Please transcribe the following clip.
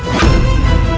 dan juga menjalin